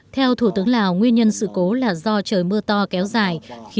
theo thủ tướng lào nguyên nhân sự cố là do trời mưa to kéo dài